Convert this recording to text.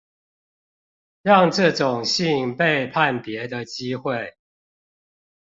讓這種信被判別的機會